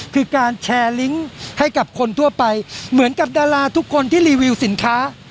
คือการแชร์ลิงก์ให้กับคนทั่วไปเหมือนกับดาราทุกคนที่รีวิวสินค้า